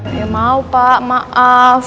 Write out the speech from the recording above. ya mau pak maaf